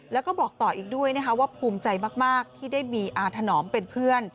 แล้วก็บอกต่ออีกด้วยนะคะว่าภูมิใจมากที่ได้มีอาถนอมเป็นเพื่อน